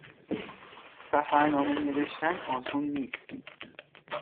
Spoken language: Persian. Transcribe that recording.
سفرنامه نوشتن آسون نیست